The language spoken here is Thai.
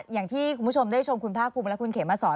อย่างที่คุณผู้ชมได้ชมคุณภาคภูมิและคุณเขมมาสอน